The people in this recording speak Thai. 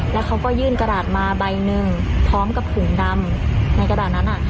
แล้วเขาก็ยื่นกระดาษมาใบหนึ่งพร้อมกับถุงดำในกระดาษนั้น